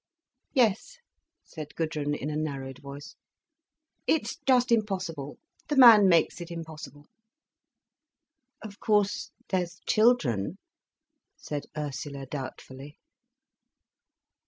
"Yes," said Gudrun, in a narrowed voice. "It's just impossible. The man makes it impossible." "Of course there's children—" said Ursula doubtfully.